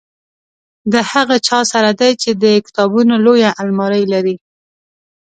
د هغه چا سره دی چې د کتابونو لویه المارۍ لري.